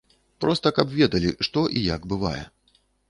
Проста, каб ведалі, што і як бывае.